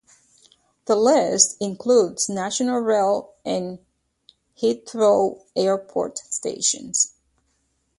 The list includes National Rail and Heathrow Airport stations.